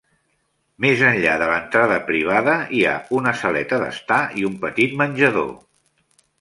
Més enllà de la entrada privada hi ha una saleta d"estar i un petit menjador.